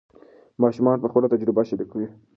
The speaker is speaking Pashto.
ماشومان به خپله تجربه شریکوي.